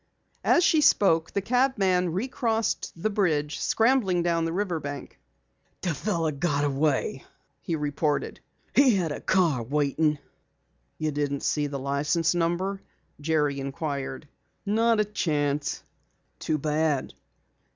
As she spoke, the cabman recrossed the bridge, scrambling down to the river bank. "The fellow got away," he reported. "He had a car waiting." "You didn't see the license number?" Jerry inquired. "Not a chance." "Too bad."